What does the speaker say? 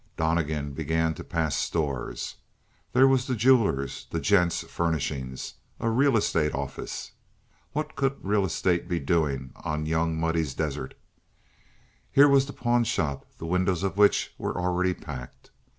Donnegan began to pass stores. There was the jeweler's; the gent's furnishing; a real estate office what could real estate be doing on the Young Muddy's desert? Here was the pawnshop, the windows of which were already packed.